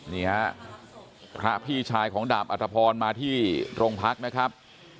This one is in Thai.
นี่ฮะพระพี่ชายของดาบอัตภพรมาที่โรงพักนะครับ